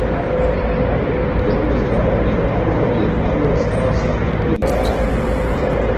Filmas galvenie varoņi ir Karostā satikti bērni.